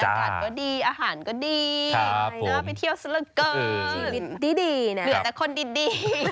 อากาศก็ดีอาหารก็ดีนะไปเที่ยวซะละเกินหลวงแต่คนดี